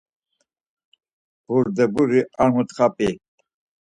Burdeburi ar mutxa p̆i.